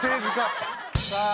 さあ